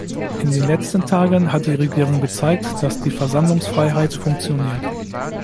In den letzten Tagen hat die Regierung gezeigt, dass die Versammlungsfreiheit funktioniert.